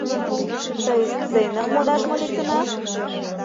— Тый сценым модаш мо лектынат?